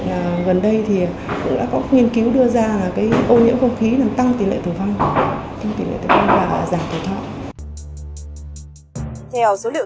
là câu chuyện dài